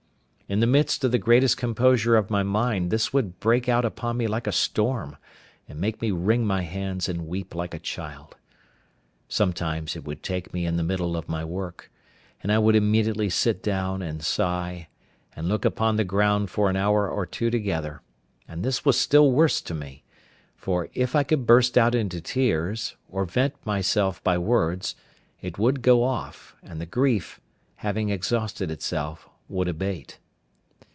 In the midst of the greatest composure of my mind, this would break out upon me like a storm, and make me wring my hands and weep like a child. Sometimes it would take me in the middle of my work, and I would immediately sit down and sigh, and look upon the ground for an hour or two together; and this was still worse to me, for if I could burst out into tears, or vent myself by words, it would go off, and the grief, having exhausted itself, would abate.